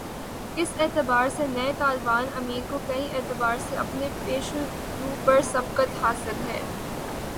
اس اعتبار سے نئے طالبان امیر کو کئی اعتبار سے اپنے پیش رو پر سبقت حاصل ہے۔